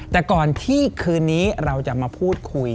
แต่ก่อนที่คืนนี้เราจะมาพูดคุย